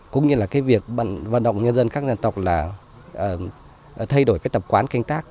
cũng như là việc vận động nhân dân các dân tộc là thay đổi tập quán canh tác